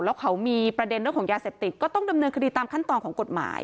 แล้วเขามีประเด็นเรื่องของยาเสพติดก็ต้องดำเนินคดีตามขั้นตอนของกฎหมาย